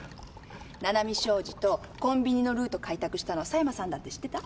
七海商事とコンビニのルート開拓したの狭山さんだって知ってた？